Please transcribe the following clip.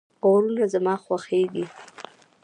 غرونه زما خوښیږي